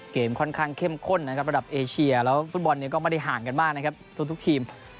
เกมค่อนข้างเข้มข้นระดับเอเชียแล้วฟุตบอลก็ไม่ได้ห่างกันมากนะครับทุกทีม